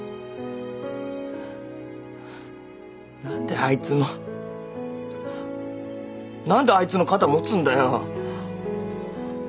何であいつの何であいつの肩持つんだよ。